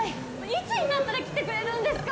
いつになったら来てくれるんですか？